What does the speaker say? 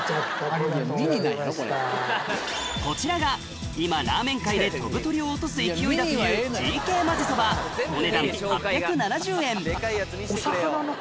こちらが今ラーメン界で飛ぶ鳥を落とす勢いだというＧ系まぜそばお値段え！